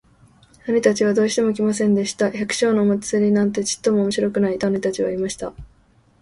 兄たちはどうしても来ませんでした。「百姓のお祭なんてちっとも面白くない。」と兄たちは言いました。